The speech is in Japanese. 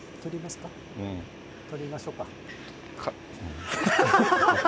取りましょか。